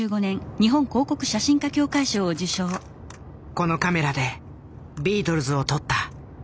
このカメラでビートルズを撮った。